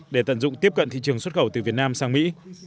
để tận dụng tiếp cận thị trường xuất khẩu từ việt nam sang mỹ